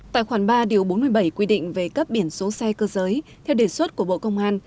tại khoản ba điều bốn mươi bảy quy định về cấp biển số xe cơ giới theo đề xuất của bộ công an